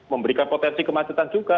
memberikan potensi kemacetan juga